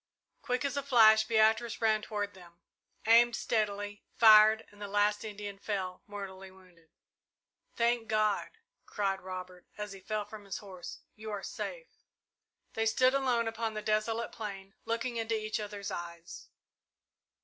Quick as a flash Beatrice ran toward them, aimed steadily, fired, and the last Indian fell, mortally wounded. "Thank God!" cried Robert, as he fell from his horse. "You are safe!" They stood alone upon the desolate plain, looking into each other's eyes.